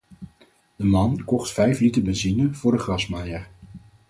De man kocht vijf liter benzine voor de grasmaaier.